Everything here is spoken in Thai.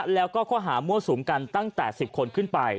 แล้วก็ข้อหามั่วสุมกันตั้งแต่๑๐คนขึ้นไป